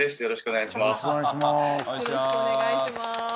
よろしくお願いします。